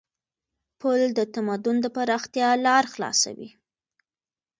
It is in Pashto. پل د تمدن د پراختیا لار خلاصوي.